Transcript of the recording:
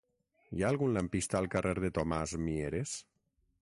Hi ha algun lampista al carrer de Tomàs Mieres?